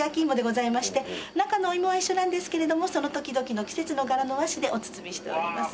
中のお芋は一緒なんですけれどもその時々の季節の柄の和紙でお包みしております。